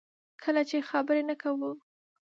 کله چې خبرې نه کوو.